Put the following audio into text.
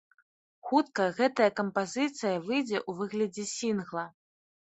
Хутка гэтая кампазіцыя выйдзе ў выглядзе сінгла.